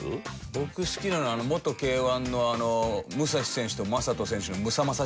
僕好きなのは元Ｋ−１の武蔵選手と魔裟斗選手のムサマサ！